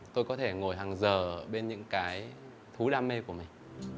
tôi có thể ngồi hàng giờ bên những cái thú đam mê của mình